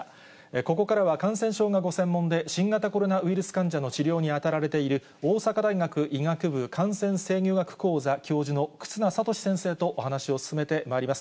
ここからは感染症がご専門で、新型コロナウイルス患者の治療に当たられている大阪大学医学部感染制御学講座教授の忽那賢志先生とお話を進めてまいります。